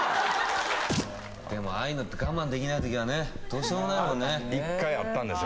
・でもああいうのって我慢できないときはねどうしようもないもんね・１回あったんですよ。